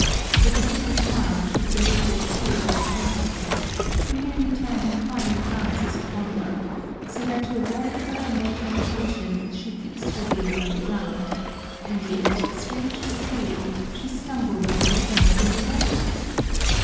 With a bitter smile she saluted two of her acquaintances, who merely turned inquiring glances upon her, so that to avoid further mortification she fixed her gaze on the ground, and yet, strange to say, she stumbled over the stones in the road!